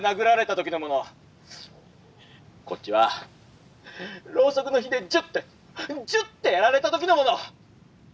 こっちはろうそくの火でジュッてジュッてやられた時のもの！